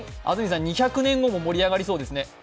安住さん、２００年後も盛り上がりそうですね。